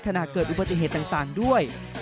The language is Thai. ขณะเกิดอุบัติเหตุต่างด้วย